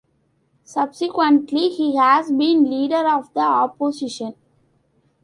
Subsequently he has been Leader of the Opposition.